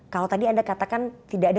kalau tadi anda katakan tidak ada